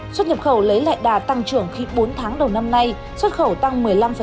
xuất nhập khẩu lấy lại đà tăng trưởng khi bốn tháng đầu năm nay xuất khẩu tăng một mươi năm